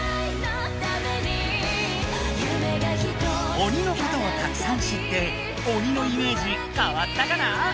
鬼のことをたくさん知って鬼のイメージかわったかな？